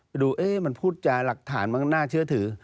ไปดูเอ๊ะมันพูดจาหลักฐานมันน่าเชื่อถือ